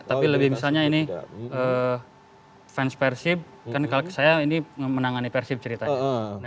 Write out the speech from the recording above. tapi lebih misalnya ini fans persib kan kalau saya ini menangani persib ceritanya